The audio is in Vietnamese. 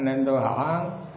nên tôi hỏi